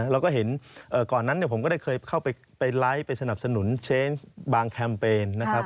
เราก็เห็นก่อนนั้นผมก็ได้เคยเข้าไปไลฟ์ไปสนับสนุนเชนบางแคมเปญนะครับ